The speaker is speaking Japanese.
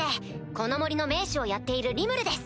この森の盟主をやっているリムルです